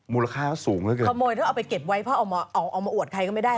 มูลค่าเขาสูงเหลือเกินขโมยถ้าเอาไปเก็บไว้เพราะเอามาอวดใครก็ไม่ได้